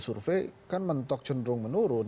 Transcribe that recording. survei kan mentok cenderung menurun